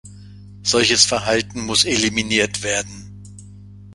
Solches Verhalten muss eliminiert werden.